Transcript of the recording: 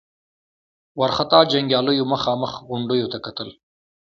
وارخطا جنګياليو مخامخ غونډيو ته کتل.